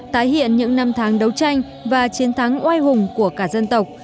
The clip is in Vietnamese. tái hiện những năm tháng đấu tranh và chiến thắng oai hùng của cả dân tộc